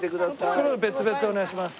袋別々でお願いします。